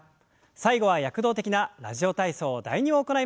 最後は躍動的な「ラジオ体操第２」を行います。